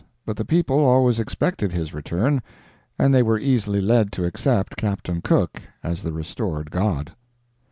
But the people always expected his return, and they were easily led to accept Captain Cook as the restored god.